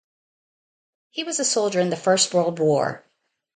He was a soldier in the First World War.